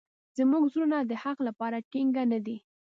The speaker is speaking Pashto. زموږ زړونه د حق لپاره ټینګ نه دي.